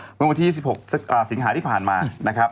เมื่อประมวงที่๒๖สถานและสินหาฯแบบที่ผ่านมานะครับ